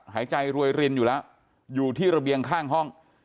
หายใจรวยรินอยู่แล้วอยู่ที่ระเบียงข้างห้อง